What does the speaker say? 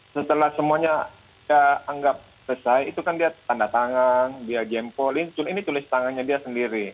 setelah semuanya dia anggap selesai itu kan dia tanda tangan dia jempolin ini tulis tangannya dia sendiri